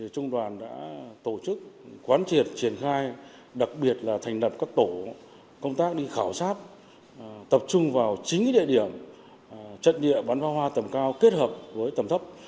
trung đoàn đã tổ chức quán triệt triển khai đặc biệt là thành lập các tổ công tác đi khảo sát tập trung vào chính địa điểm trận địa bắn phá hoa tầm cao kết hợp với tầm thấp